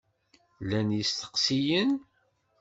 Llan yisteqsiyen?